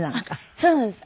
そうなんです。